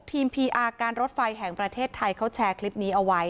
พีอาร์การรถไฟแห่งประเทศไทยเขาแชร์คลิปนี้เอาไว้